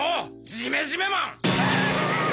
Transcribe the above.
ジメジメマン！